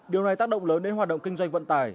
điều này tác động lớn đến hoạt động kinh doanh vận tải